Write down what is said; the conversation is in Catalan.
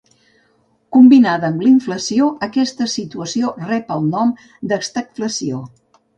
Combinada amb inflació aquesta situació rep el nom d'estagflació.